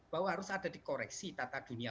bahwa harus ada dikoreksi tata dunia